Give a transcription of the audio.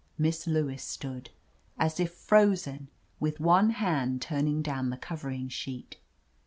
Miss Lewis stood, as if frozen, with one hand turning down the covering sheet.